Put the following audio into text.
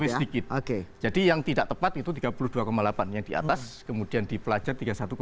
sedikit jadi yang tidak tepat itu tiga puluh dua delapan yang di atas kemudian di pelajar tiga puluh satu tujuh